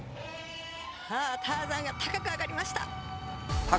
ターザンが高く上がりました。